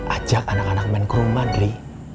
ajak anak anak men ke rumah indri